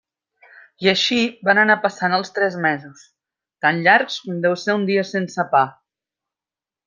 I així van anar passant els tres mesos, tan llargs com deu ser un dia sense pa.